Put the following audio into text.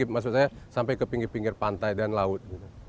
maksud saya sampai ke pinggir pinggir pantai dan laut